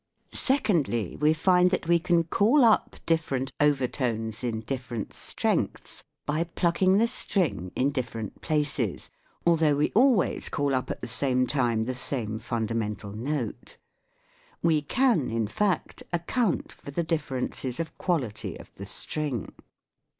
Secondly, we find that we can call up different overtones in different strengths by plucking the string in dif ferent places, although we always call up at the same time the same fundamental note: we can, in fact, account for the differences of quality of the string.